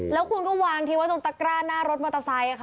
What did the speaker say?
แล้วคุณก็วางที่วันตรงตะกร้าหน้ารถมอเตอร์ไซด์